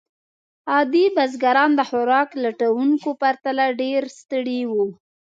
عادي بزګران د خوراک لټونکو پرتله ډېر ستړي وو.